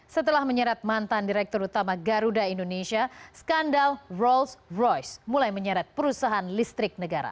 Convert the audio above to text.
setelah menyeret mantan direktur utama garuda indonesia skandal rolls royce mulai menyeret perusahaan listrik negara